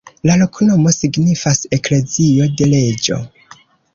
La loknomo signifas: eklezio de reĝo.